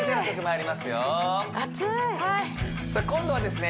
あついさあ今度はですね